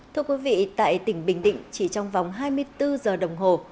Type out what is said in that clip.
thưa quý vị tại tỉnh bình định chỉ trong vòng hai mươi bốn giờ đồng hồ